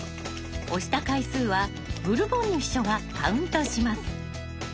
押した回数はブルボンヌ秘書がカウントします。